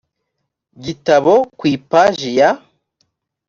gitabo ku ipaji ya